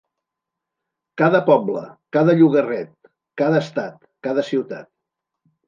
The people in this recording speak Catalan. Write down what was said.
Cada poble, cada llogarret, cada estat, cada ciutat.